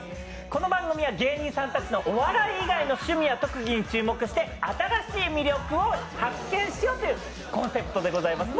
この番組は、芸人さんたちのお笑い以外の趣味や特技に注目して新しい魅力を発見しようというコンセプトでございます。